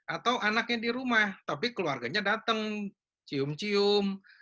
atau anaknya di rumah tapi keluarganya datang cium cium